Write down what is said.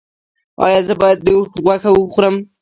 ایا زه باید د اوښ غوښه وخورم؟